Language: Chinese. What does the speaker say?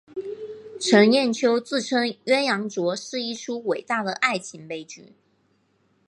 程砚秋自称鸳鸯冢是一出伟大的爱情悲剧。